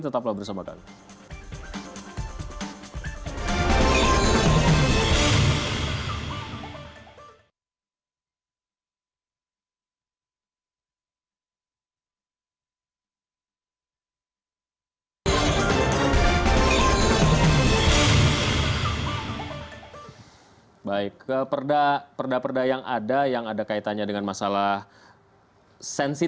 tetaplah bersama kami